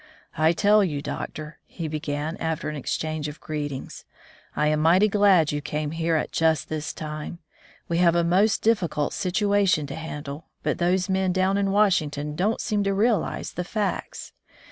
*^I tell you, doctor, he began, after an exchange of greetings, *'I am mighty glad you came here at just this time. We have a most difficult situation to handle, but those men down in Washington don't seem to realize the facts.